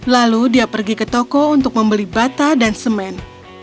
lalu dia pergi ke toko untuk membeli bata dan semen